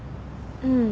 うん。